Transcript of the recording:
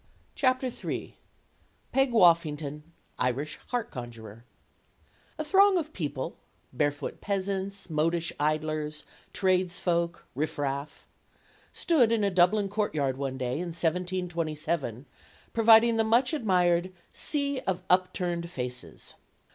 CHAPTER THREE PEG WOFFINGTON IRISH HEART CONJURER A THRONG of people barefoot peasants, modish idlers, tradesfolk, riffraff stood in a Dublin courtyard one day in 1 727, providing the much admired "sea of upturned faces."